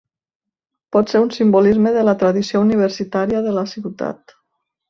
Pot ser un simbolisme de la tradició universitària de la ciutat.